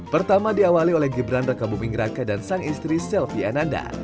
pertama diawali oleh gibran raka buming raka dan sang istri selvi ananda